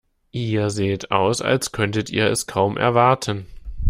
Ihr seht aus, als könntet ihr es kaum erwarten.